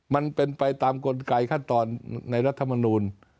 มันเป็นไปตามกลไกขั้นตอนในรัฐมนูล